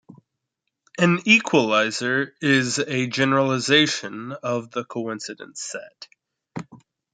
An equaliser is a generalization of the coincidence set.